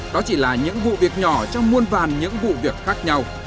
đó chỉ là những vụ việc nhỏ trong muôn vàn những vụ việc khác nhau